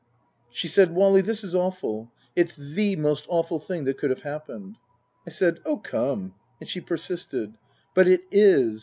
She said, " Wally, this is awful. It's the most awful thing that could have happened." I said, " Oh, come " and she persisted. " But it is.